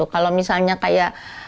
kalau misalnya kayak